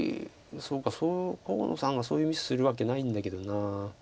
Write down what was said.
そうか河野さんがそういうミスするわけないんだけどな。